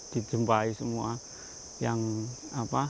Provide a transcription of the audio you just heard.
dijembah semua yang apa